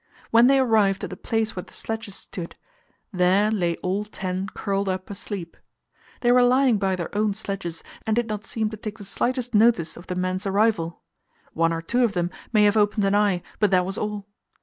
When they arrived at the place where the sledges stood, there lay all ten curled up asleep. They were lying by their own sledges, and did not seem to take the slightest notice of the men's arrival. One or two of them may have opened an eye, but that was all.